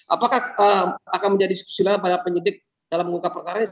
apakah akan menjadi silakan pada penyidik dalam mengungkap perkara ini